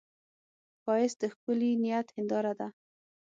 ښایست د ښکلي نیت هنداره ده